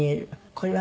これは？